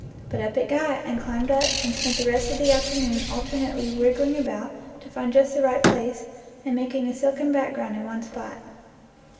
But up it got, and climbed up, and spent the rest of the afternoon alternately wriggling about to find just the right place and making a silken background in one spot.